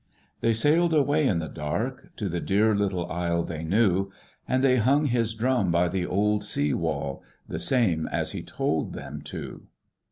"They sailed away in the dark To the dear little isle they knew; And they hung his drum by the old sea wall The same as he told them to.